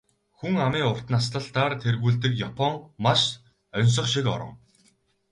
Хүн амын урт наслалтаар тэргүүлдэг Япон маш оньсого шиг орон.